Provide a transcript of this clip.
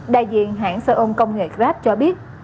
đại diện hãng xe ôn công nghệ grab cho biết